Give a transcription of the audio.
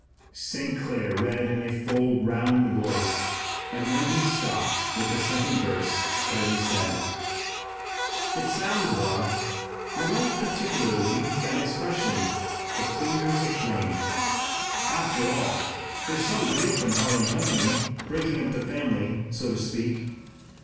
St. Clair read well in a full, round voice, and when he stopped with the second verse Harry said: "It sounds well. I like particularly that expression, 'the fingers of flame.' After all, there's some grief in parting company, breaking up the family, so to speak."